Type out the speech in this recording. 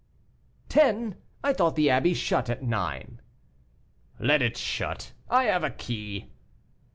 "Ten! I thought the abbey shut at nine." "Let it shut; I have a key."